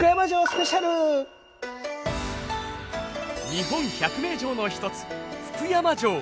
日本百名城の一つ福山城。